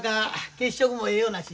血色もええようなし。